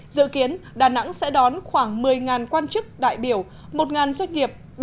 dự kiến đà nẵng sẽ đón khoảng một mươi quan chức đại biểu một doanh nghiệp